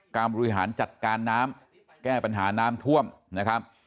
บริหารจัดการน้ำแก้ปัญหาน้ำท่วมนะครับ